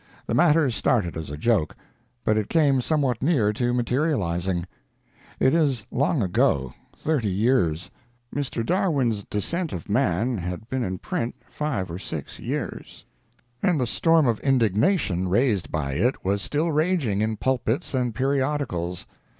The matter started as a joke, but it came somewhat near to materializing. It is long ago thirty years. Mr. Darwin's Descent of Man has been in print five or six years, and the storm of indignation raised by it was still raging in pulpits and periodicals.